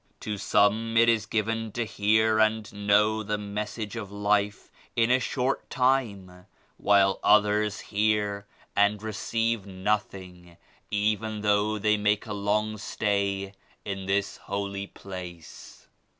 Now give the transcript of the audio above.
To some it is given to hear and know the Mes sage of Life in a short time while others hear and receive nothing even though they make a long stay in this holy place."